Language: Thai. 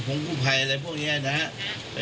ของตะวัสเซียอะไรไม่เกี่ยวอะไร